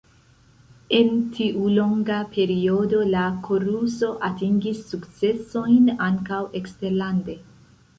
En tiu longa periodo la koruso atingis sukcesojn ankaŭ eksterlande.